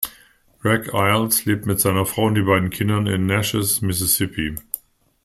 Greg Iles lebt mit seiner Frau und den beiden Kindern in Natchez, Mississippi.